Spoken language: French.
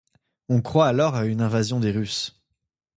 On croit alors à une invasion des Russes...